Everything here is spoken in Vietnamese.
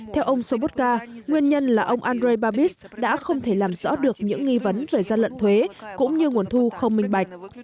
theo ông sobutka nguyên nhân là ông andrei babis đã không thể làm rõ được những nghi vấn về gian lận thuế cũng như nguồn thu không minh bạch